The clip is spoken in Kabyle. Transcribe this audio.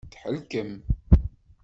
Thelkem.